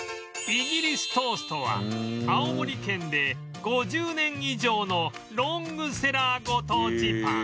イギリストーストは青森県で５０年以上のロングセラーご当地パン